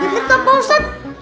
beneran apa usah